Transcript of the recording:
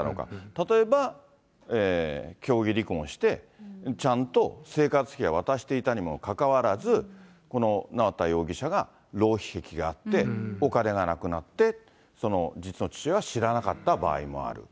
例えば協議離婚して、ちゃんと生活費は渡していたにもかかわらず、この縄田容疑者が浪費癖があってお金がなくなって、その実の父親は知らなかった場合もある。